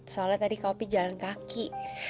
soalnya tadi kak opi jalan kaki